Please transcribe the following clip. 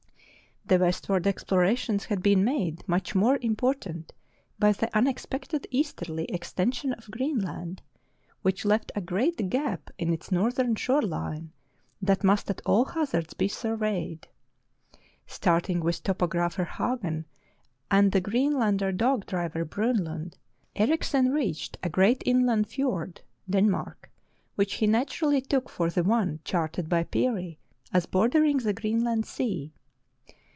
The west The Fidelity of Eskimo Bronlund 355 ward explorations had been made much more impor tant by the unexpected easterly extension of Green land, which kft a great gap in its northern shore line that must at all hazards be surveyed. Starting with Topographer Hagen and the Greenlander dog driver, Bronlund, Erichsen reached a great inland fiord (Den mark), which he naturally took for the one charted by Peary as bordering the Greenland Sea.